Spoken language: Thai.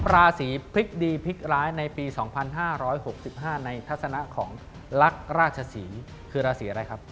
ราศีพลิกดีพลิกร้ายในปี๒๕๖๕ในทัศนะของลักษณ์ราชศรีคือราศีอะไรครับ